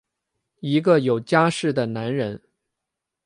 一个有家室的男人！